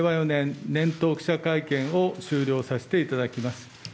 ４年年頭記者会見を終了させていただきます。